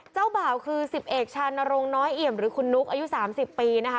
เจ้าบ่าวคือ๑๐เอกชานรงค์น้อยเอี่ยมหรือคุณนุ๊กอายุ๓๐ปีนะคะ